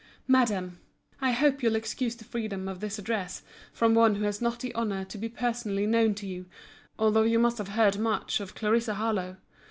MADAM, I hope you'll excuse the freedom of this address, from one who has not the honour to be personally known to you, although you must have heard much of Clarissa Harlowe.